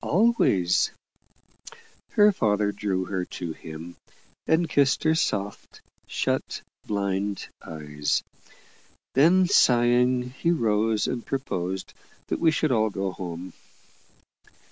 "Always." Her father drew her to him, and kissed her soft, shut, blind eyes. Then, sighing, he rose, and proposed that we should all go home.